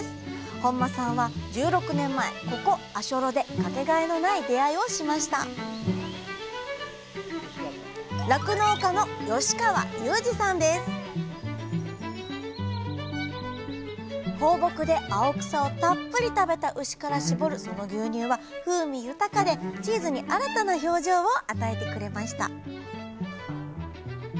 本間さんは１６年前ここ足寄で掛けがえのない出会いをしました放牧で青草をたっぷり食べた牛から搾るその牛乳は風味豊かでチーズに新たな表情を与えてくれました